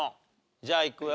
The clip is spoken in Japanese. じゃあいくよ。